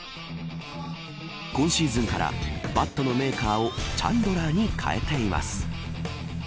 今シーズンからバットのメーカーをチャンドラーに変えています。